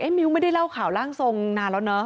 มิ้วไม่ได้เล่าข่าวร่างทรงนานแล้วเนอะ